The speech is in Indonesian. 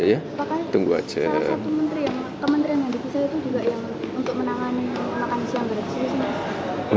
salah satu kementerian yang dipisah itu juga yang untuk menangani makan siang tadi